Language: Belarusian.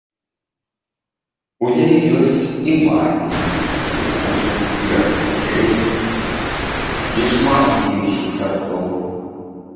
У яе ёсць і макі, і ружы, і архідэі, і шмат іншых сартоў.